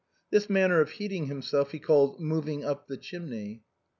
This manner of heating himself he called moving up the chimney.